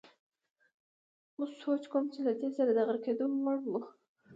اوس سوچ کوم چې له ده سره د غرقېدو وړ وو.